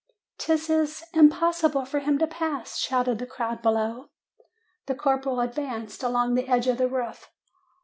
" Tt is impossible for him to pass !' shouted the crowd below. "The corporal advanced along the edge of the roof.